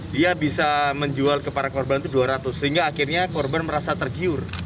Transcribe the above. dia bisa menjual ke para korban itu dua ratus sehingga akhirnya korban merasa tergiur